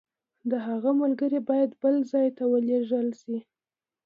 د هغه ملګري باید بل ځای ته ولېږل شي.